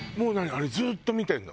あれずーっと見てるの？